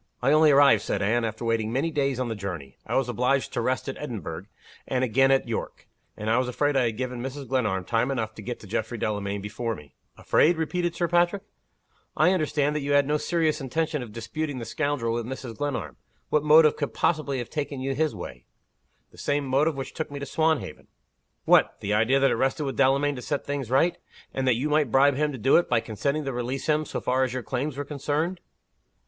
"I only arrived," said Anne, "after waiting many days on the journey. I was obliged to rest at Edinburgh, and again at York and I was afraid I had given Mrs. Glenarm time enough to get to Geoffrey Delamayn before me." "Afraid?" repeated Sir Patrick. "I understood that you had no serious intention of disputing the scoundrel with Mrs. Glenarm. What motive could possibly have taken you his way?" "The same motive which took me to Swanhaven." "What! the idea that it rested with Delamayn to set things right? and that you might bribe him to do it, by consenting to release him, so far as your claims were concerned?"